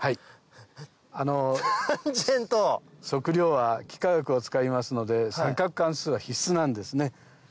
あの測量は幾何学を使いますので三角関数は必須なんですね。